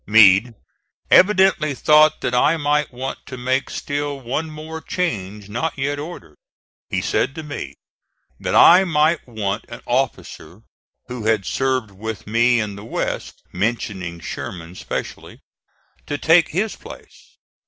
Meade evidently thought that I might want to make still one more change not yet ordered. He said to me that I might want an officer who had served with me in the West, mentioning Sherman specially, to take his place.